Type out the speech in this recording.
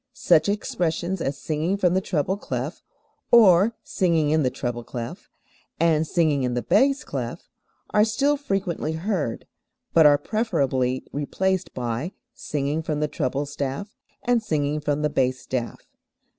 Such expressions as "singing from the treble clef," or "singing in the treble clef," and "singing in the bass clef" are still frequently heard, but are preferably replaced by "singing from the treble staff," and "singing from the bass staff."